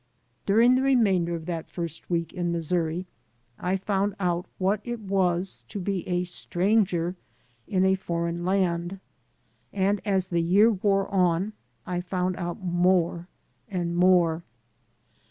During the remainder of that first week in Missouri I foimd out what it was to be a stranger in a foreign land; and as the year wore on I found out more and more.